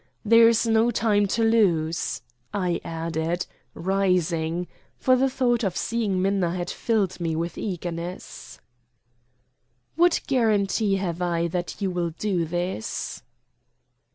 There is no time to lose," I added, rising, for the thought of seeing Minna had filled me with eagerness. "What guarantee have I that you will do this?"